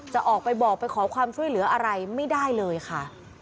จะออกไปบอกไปขอความช่วยเหลืออะไรไม่ได้เลยค่ะ